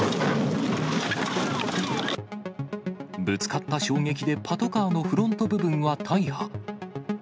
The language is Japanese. ぶつかった衝撃でパトカーのフロント部分は大破。